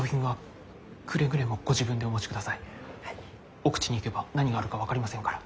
奥地に行けば何があるか分かりませんから。